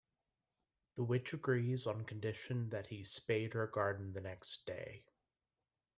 The witch agrees on condition that he spade her garden the next day.